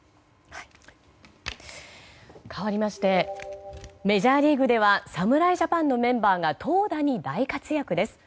かわりましてメジャーリーグでは侍ジャパンのメンバーが投打に大活躍です。